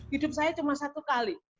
hidup saya cuma satu kali